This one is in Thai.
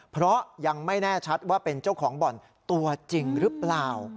เพราะยังไม่แน่ชัดว่าเป็นเจ้าของบ่อนตัวจริงหรือเปล่า